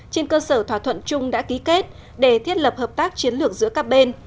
trên cơ sở thỏa thuận chung đã ký kết để thiết lập hợp tác chiến lược giữa các bên